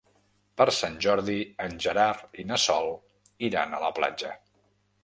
Per Sant Jordi en Gerard i na Sol iran a la platja.